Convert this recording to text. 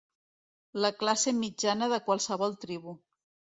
La classe mitjana de qualsevol tribu.